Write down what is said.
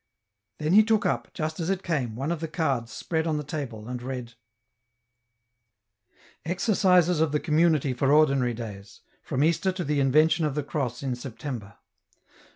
Then he took up, just as it came, one of the cards spread on the table and read :— 156 EN ROUTE. " Exercises of the Community for ordinary days — from Easter to the Invention of the Cross in September.